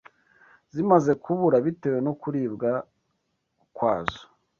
Zimaze kubura bitewe no kuribwa kwazo,